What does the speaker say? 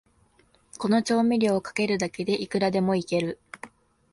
この調味料をかけるだけで、いくらでもイケる